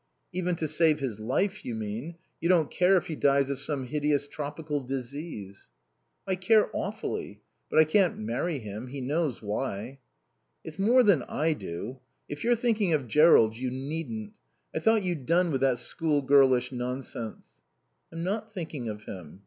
"Even to save his life, you mean. You don't care if he dies of some hideous tropical disease." "I care awfully. But I can't marry him. He knows why." "It's more than I do. If you're thinking of Jerrold, you needn't. I thought you'd done with that schoolgirlish nonsense." "I'm not 'thinking' of him.